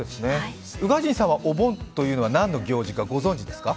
宇賀神さんはお盆というのは何の行事がご存じですか？